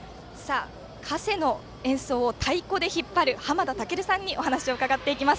「加勢」の演奏を太鼓で引っ張るはまだたけるさんにお話を伺っていきます。